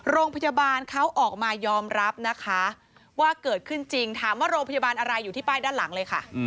โรงพยาบาลเขาออกมายอมรับนะคะว่าเกิดขึ้นจริงถามว่าโรงพยาบาลอะไรอยู่ที่ป้ายด้านหลังเลยค่ะ